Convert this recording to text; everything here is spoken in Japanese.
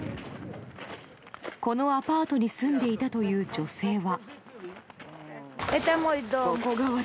このアパートに住んでいたという女性は。